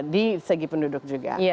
di segi penduduk juga